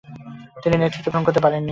তিনি নেতৃত্ব গ্রহণ করতে পারেননি।